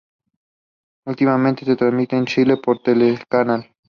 Últimamente se transmite en Chile por Telecanal.